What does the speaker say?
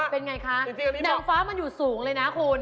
เป็นไงคะนางฟ้ามันอยู่สูงเลยนะคุณ